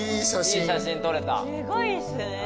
いい写真撮れた。